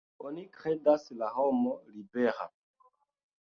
Oni kredas la homo libera.